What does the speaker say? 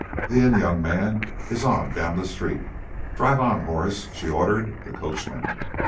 "The inn, young men, is on down the street. Drive on, Horace!" she ordered the coachman.